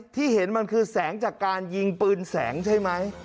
ที่เห็นมันคือแสงจากการยิงปืนแสงใช่ไหม